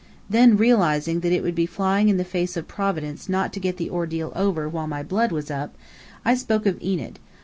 Then, realizing that it would be flying in the face of Providence not to get the ordeal over while my blood was up, I spoke of Enid.